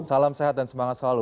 salam sehat dan semangat selalu